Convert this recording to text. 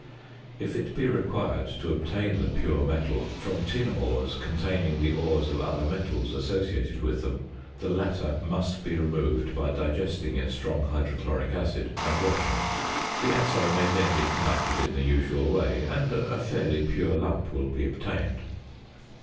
If it be required to obtain the pure metal from tin ores containing the ores of other metals associated with them, the latter must be removed by digesting in strong hydrochloric acid, and washing. The assay may then be conducted in the usual way, and a fairly pure lump will be obtained.